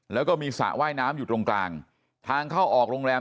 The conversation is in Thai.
แล้วก็มีสระว่ายน้ำอยู่ตรงกลางทางเข้าออกโรงแรม